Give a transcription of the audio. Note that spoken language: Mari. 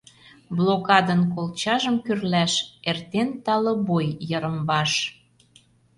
Блокадын колчажым кӱрлаш Эртен тале бой йырымваш.